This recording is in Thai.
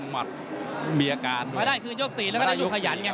ไม่ได้คือยก๔แล้วก็ได้ลูกขยัน